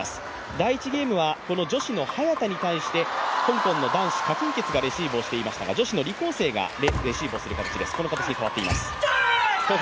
第１ゲームは女子の早田に対して香港の男子、何鈞傑がレシーブをしていましたが女子の李皓晴がレシーブをする形に変わっています。